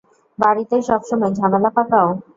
বাড়িতে সবসময় ঝামেলা পাকাও।